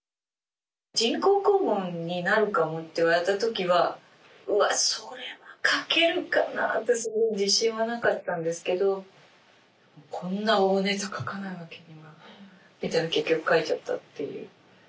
人工肛門になるかもって言われた時はうわっそれは描けるかなってすごい自信はなかったんですけどこんな大ネタ描かないわけにはみたいな結局描いちゃったっていう。